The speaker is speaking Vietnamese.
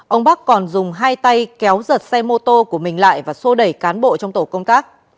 ông bắc còn dùng hai tay kéo giật xe mô tô của mình lại và xô đẩy cán bộ trong tổ công tác